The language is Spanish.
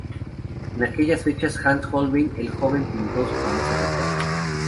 En aquellas fechas Hans Holbein el Joven pintó su famoso retrato.